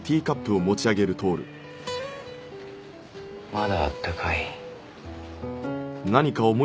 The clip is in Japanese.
まだあったかい。